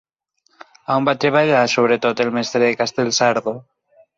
On va treballar sobretot el mestre de Castelsardo?